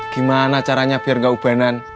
gimana caranya biar gak ubanan